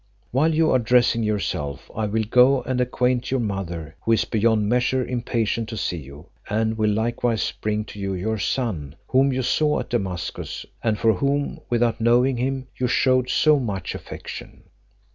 While you are dressing yourself I will go and acquaint your mother, who is beyond measure impatient to see you; and will likewise bring to you your son, whom you saw at Damascus, and for whom, without knowing him, you shewed so much affection."